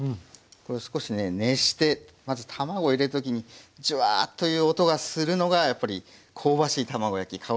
これ少しね熱してまず卵入れる時にジュワーッという音がするのがやっぱり香ばしい卵焼き